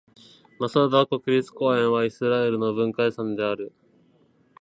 マサダ国立公園はイスラエルの文化遺産である。